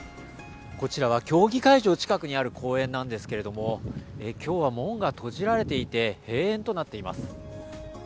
こちらは競技会場近くにある公園なんですけども今日は門が閉じられていて閉園となっています。